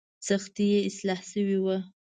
سختي یې اصلاح شوې وه.